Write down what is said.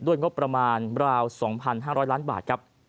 ด้วยงบประมาณ๒๕๐๐ล้านบาท